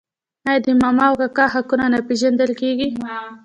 آیا د ماما او کاکا حقونه نه پیژندل کیږي؟